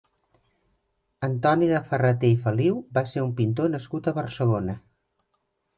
Antoni de Ferrater i Feliu va ser un pintor nascut a Barcelona.